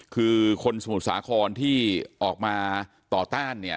คือคนสมุทรสาครที่ออกมาต่อต้านเนี่ย